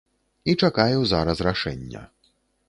І чакаю зараз рашэння.